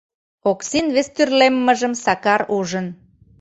Оксин вестӱрлеммыжым Сакар ужын.